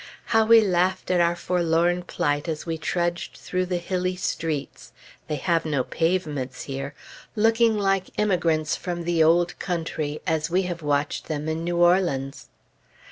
How we laughed at our forlorn plight as we trudged through the hilly streets, they have no pavements here, looking like emigrants from the Ould Counthry, as we have watched them in New Orleans!